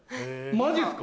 マジっすか？